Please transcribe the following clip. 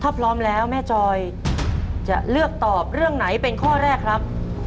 ถ้าพร้อมแล้วแม่จอยจะเลือกตอบเรื่องไหนเป็นข้อแรกครับ